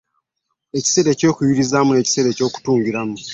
Ekiseera eky'okuyulizaamu, n'eluseera eky'okutungiramu.